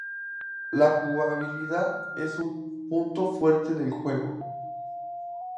La jugabilidad es un punto fuerte del juego.